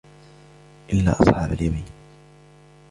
إِلَّا أَصْحَابَ الْيَمِينِ